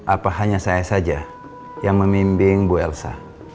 apa hanya saya saja yang memimbing bu elsa